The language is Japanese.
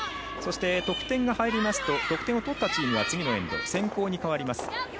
そして、得点が入りますと得点を取ったチームは次のエンド、先攻に変わります。